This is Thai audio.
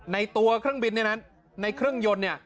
ในตัวเครื่องบินในนั้นในเครื่องยนต์